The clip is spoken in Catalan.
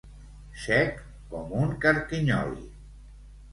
Sec com un carquinyoli.